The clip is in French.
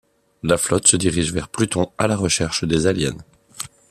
La flotte se dirige vers Pluton à la recherche des aliens.